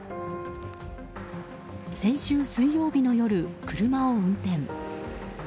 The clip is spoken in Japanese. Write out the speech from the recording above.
先週水曜日の夜、車を運転。